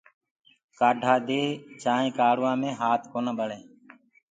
ڪآڍآ دي چآنٚينٚ ڪآڙهوآ مي هآت ڪونآ ٻݪینٚ۔